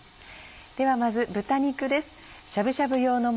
ではまず豚肉です。